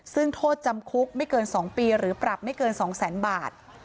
ซึ่งโทษจำคุกไม่เกิน๒ปีหรือปรับไม่เกิน๒แสนบาท